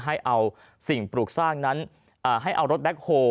ให้เอาสิ่งปลูกสร้างนั้นให้เอารถแบ็คโฮล